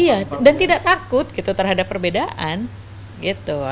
iya dan tidak takut gitu terhadap perbedaan gitu